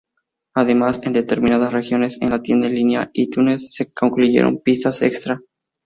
Además, en determinadas regiones en la tienda en línea iTunes se incluyeron pistas extra.